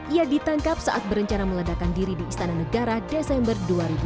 ia ditangkap saat berencana meledakan diri di istana negara desember dua ribu dua puluh